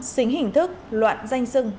xính hình thức loạn danh sưng